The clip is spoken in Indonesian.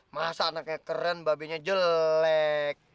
masa anaknya keren babinya jelek